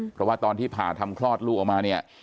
เพราะว่าตอนที่ผ่าทำคลอดลูกออกมาเนี่ย